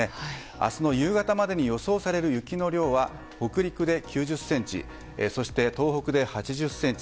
明日の夕方までに予想される雪の量は北陸で９０ｃｍそして、東北で８０ｃｍ